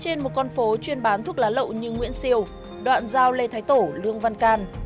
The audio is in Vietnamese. trên một con phố chuyên bán thuốc lá lậu như nguyễn siêu đoạn giao lê thái tổ lương văn can